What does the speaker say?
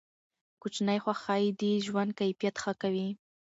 کوچني خوښۍ د ژوند کیفیت ښه کوي.